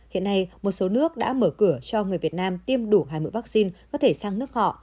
hiện nay một số nước đã mở cửa cho người việt nam tiêm đủ hai mươi vaccine có thể sang nước họ